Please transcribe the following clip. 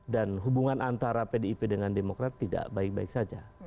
dan hubungan antara pdip dengan demokrat tidak baik baik saja